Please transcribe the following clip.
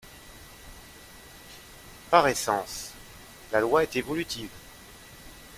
Par essence, la loi est évolutive.